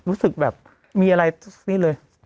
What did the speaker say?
รู้สึกแบบมีอะไรนี่เลย